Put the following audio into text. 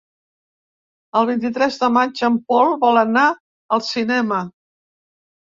El vint-i-tres de maig en Pol vol anar al cinema.